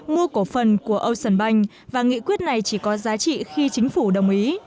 mua cổ phần của ocean bank và nghị quyết này chỉ có giá trị khi chính phủ đồng ý